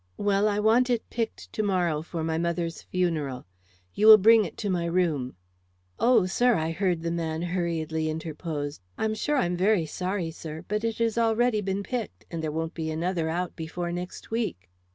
"Well, I want it picked to morrow for my mother's funeral. You will bring it to my room." "Oh, sir," I heard the man hurriedly interpose, "I'm sure I'm very sorry, sir; but it has already been picked, and there won't be another out before next week."